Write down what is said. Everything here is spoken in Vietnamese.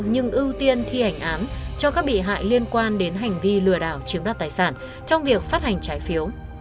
nhưng ưu tiên thi hành án cho các bị hại liên quan đến hành vi lừa đảo chiếm đoạt tài sản trong việc phát hành trái phiếu